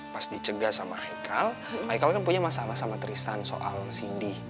pas dicegah sama ikal ikal kan punya masalah sama tristan soal cindy